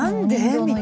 みたいな。